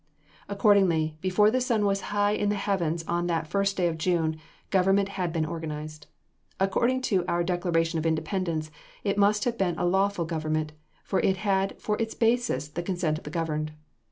Accordingly, before the sun was high in the heavens on that first day of June, government had been organized. According to our Declaration of Independence, it must have been a lawful government, for it had for its basis the consent of the governed.